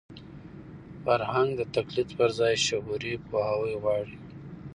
فرهنګ د تقلید پر ځای شعوري پوهاوی غواړي.